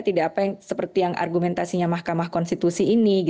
tidak apa yang seperti yang argumentasinya mahkamah konstitusi ini